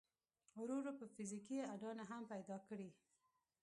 ورو ورو به فزيکي اډانه هم پيدا کړي.